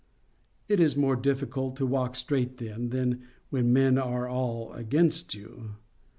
It is more difficult to walk straight then, than when men are all against you.